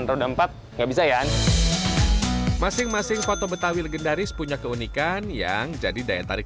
roda empat nggak bisa ya masing masing foto betawi legendaris punya keunikan yang jadi daya tarik